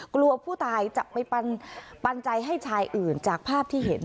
กลัวผู้ตายจะไปปันใจให้ชายอื่นจากภาพที่เห็น